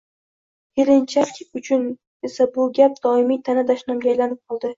Kelinchak uchun esa bu gap doimiy ta`na-dashnomga aylanib qoldi